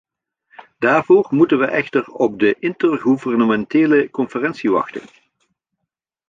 Daarvoor moeten wij echter op de intergouvernementele conferentie wachten.